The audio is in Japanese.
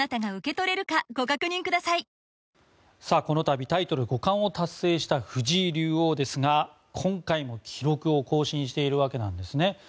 この度、タイトル五冠を達成した藤井竜王ですが今回も記録を更新しているわけなんですね。